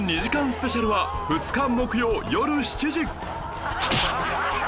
スペシャルは２日木曜よる７時